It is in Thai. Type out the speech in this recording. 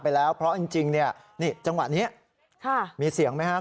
เพราะจริงจังหวะนี้มีเสียงไหมครับ